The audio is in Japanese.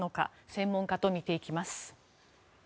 専門家と見ていきます。